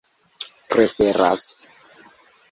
preferas